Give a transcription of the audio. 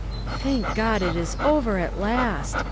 "Thank God it is over at last!"